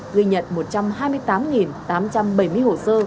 ghi nhận một trăm hai mươi tám tám trăm bảy mươi hồ sơ